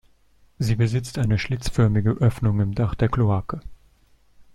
Sie besitzt eine schlitzförmige Öffnung im Dach der Kloake.